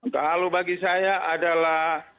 kalau bagi saya adalah